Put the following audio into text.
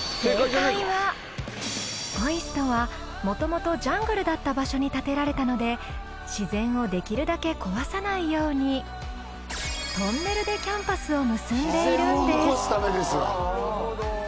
ＯＩＳＴはもともとジャングルだった場所に建てられたので自然をできるだけ壊さないようにトンネルでキャンパスを結んでいるんです。